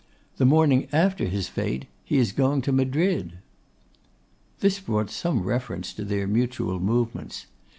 The morning after his fête he is going to Madrid.' This brought some reference to their mutual movements.